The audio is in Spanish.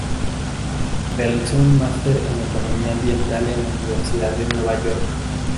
Realizó un máster en Economía Ambiental en la Universidad de York.